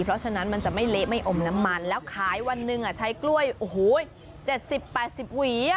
เพราะฉะนั้นมันจะไม่เละไม่อมน้ำมันแล้วขายวันหนึ่งใช้กล้วยโอ้โห๗๐๘๐หวี